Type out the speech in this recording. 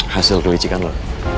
hasil kelicikan lo